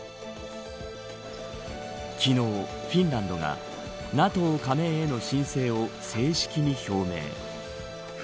昨日、フィンランドがＮＡＴＯ加盟への申請を正式に表明。